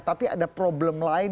tapi ada problem lain